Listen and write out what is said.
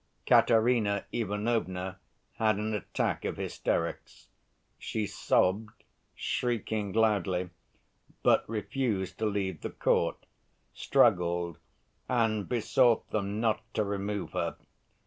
Katerina Ivanovna had an attack of hysterics. She sobbed, shrieking loudly, but refused to leave the court, struggled, and besought them not to remove her.